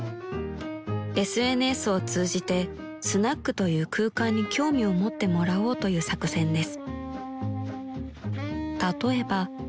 ［ＳＮＳを通じてスナックという空間に興味を持ってもらおうという作戦です］